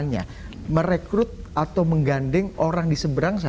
misalnya merekrut atau menggandeng orang di seberang sana